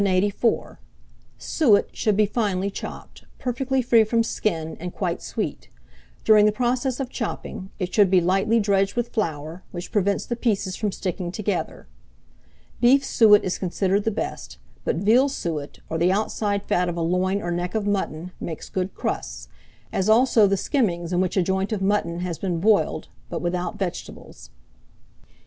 Suet should be finely chopped, perfectly free from skin, and quite sweet; during the process of chopping, it should be lightly dredged with flour, which prevents the pieces from sticking together. Beef suet is considered the best; but veal suet, or the outside fat of a loin or neck of mutton, makes good crusts; as also the skimmings in which a joint of mutton has been boiled, but without vegetables.